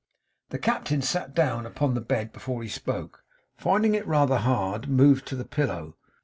The Captain sat down upon the bed before he spoke; and finding it rather hard, moved to the pillow.